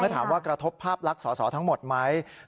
ถามว่ากระทบภาพลักษณ์สอสอทั้งหมดไหม